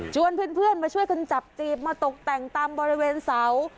เพื่อนมาช่วยกันจับจีบมาตกแต่งตามบริเวณเสา